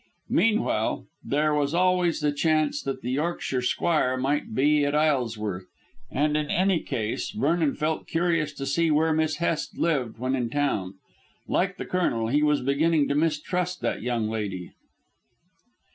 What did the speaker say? Meanwhile, there was always the chance that the Yorkshire squire might be at Isleworth, and in any case Vernon felt curious to see where Miss Hest lived when in town. Like the Colonel, he was beginning to mistrust that young lady.